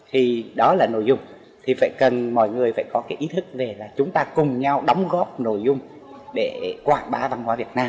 thì đó là nội dung thì phải cần mọi người phải có cái ý thức về là chúng ta cùng nhau đóng góp nội dung để quảng bá văn hóa việt nam